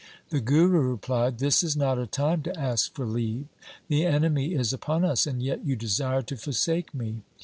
The Guru replied, ' This is not a time to ask for leave. The enemy is upon us, and yet you desire to forsake me.